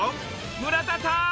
村田さーん！